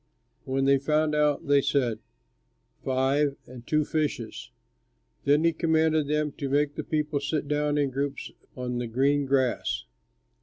When they found out, they said, "Five, and two fishes." Then he commanded them to make the people sit down in groups on the green grass.